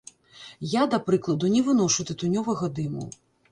Я, да прыкладу, не выношу тытунёвага дыму.